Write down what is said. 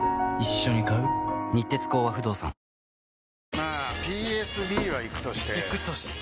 まあＰＳＢはイクとしてイクとして？